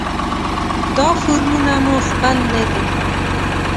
دا فورمونه مو خپل نه دي.